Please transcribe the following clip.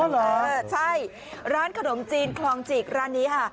เหรอใช่ร้านขนมจีนคลองจิกร้านนี้ค่ะ